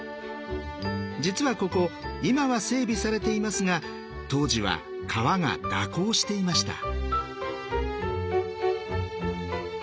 実はここ今は整備されていますが当時は川が蛇行していました。